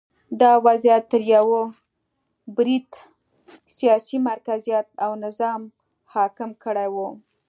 دا وضعیت تر یوه بریده سیاسي مرکزیت او نظم حاکم کړی و